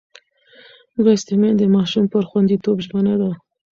لوستې میندې د ماشوم پر خوندیتوب ژمنه ده.